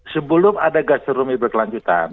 sebelum ada gastronomi berkelanjutan